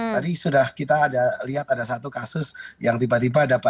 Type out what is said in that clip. tadi sudah kita lihat ada satu kasus yang tiba tiba dapat